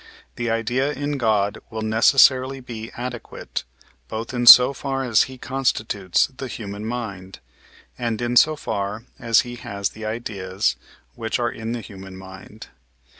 the idea in God will necessarily be adequate, both in so far as he constitutes the human mind, and in so far as he has the ideas, which are in the human mind.